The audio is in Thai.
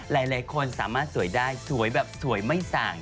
หลายคนสามารถสวยได้สวยแบบสวยไม่สั่ง